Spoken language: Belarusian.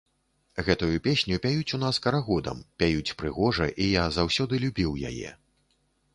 Гэтую песню пяюць у нас карагодам, пяюць прыгожа, і я заўсёды любіў яе.